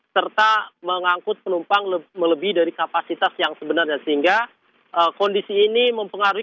serta mengangkut penumpang melebih dari kapasitas yang sebenarnya sehingga kondisi ini mempengaruhi